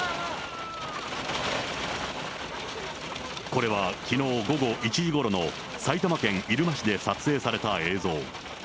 これは、きのう午後１時ごろの埼玉県入間市で撮影された映像。